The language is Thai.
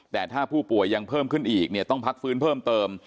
แต่ถ้าผู้ป่วยยังเพิ่มขึ้นอีกเนี่ยต้องพักฟื้นเพิ่มเติม